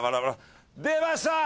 出ました！